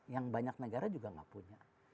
yang banyak negara juga nggak punya